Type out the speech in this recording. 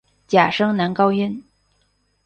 假声男高音。